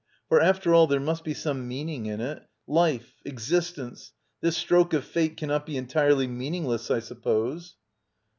For, after all, there must be some meaning in / it. Life, existence — this stroke of fate cannot be v/ entirely meaningless, I suppose.